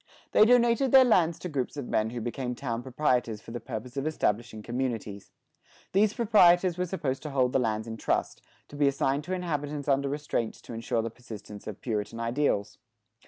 They donated their lands to groups of men who became town proprietors for the purpose of establishing communities. These proprietors were supposed to hold the lands in trust, to be assigned to inhabitants under restraints to ensure the persistence of Puritan ideals.